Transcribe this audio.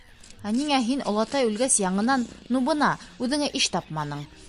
Ә ниңә һин, олатай үлгәс, яңынан... ну... бына... үҙеңә иш тапманың?